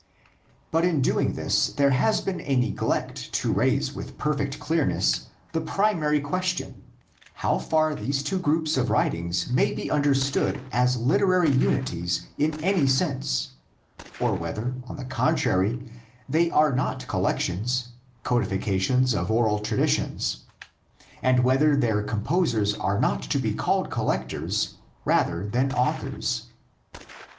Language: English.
^ But in doing this there has been a neglect to raise with perfect clearness the primary question, how far these two groups of writings may be understood as literary unities in any sense, or whether, on the contrary, they are not collections, codifications of oral traditions, and whether their composers are not to be called collectors rather than authors.